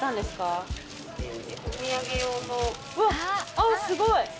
すごい。